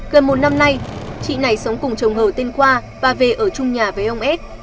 gần một năm nay chị này sống cùng chồng hờ tên khoa và về ở trung nhà với ông ép